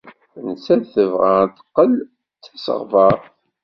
Nettat tebɣa ad teqqel d tasegbart.